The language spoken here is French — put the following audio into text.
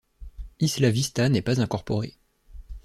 Isla Vista n’est pas incorporée.